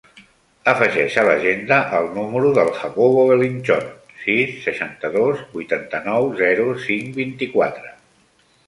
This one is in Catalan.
Afegeix a l'agenda el número del Jacobo Belinchon: sis, seixanta-dos, vuitanta-nou, zero, cinc, vint-i-quatre.